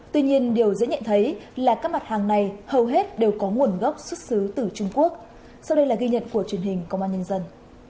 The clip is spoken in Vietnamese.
tuy nhiên điều dễ nhận thấy là các mặt hàng này hầu hết đều có nguồn gốc xuất xứ từ trung quốc sau đây là ghi nhận của truyền hình công an nhân dân